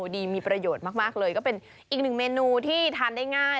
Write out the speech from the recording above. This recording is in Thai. ดีมีประโยชน์มากเลยก็เป็นอีกหนึ่งเมนูที่ทานได้ง่าย